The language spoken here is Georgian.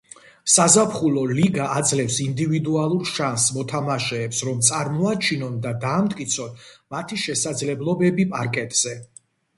საზაფხულო ლიგა აძლევს ინდივიდუალურ შანს მოთამაშეებს რომ წარმოაჩინონ და დაამტკიცონ მათი შესაძლებლობები პარკეტზე.